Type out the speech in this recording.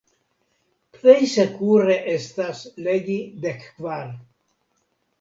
Plej sekure estas legi dek kvar.